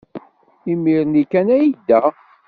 Imir-nni kan ay yedda.